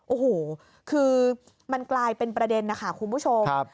โอ้โหคือมันกลายเป็นประเด็นนะคะคุณผู้ชม